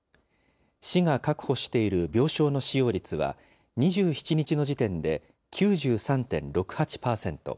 市が確保している病床の使用率は、２７日の時点で９３．６８％。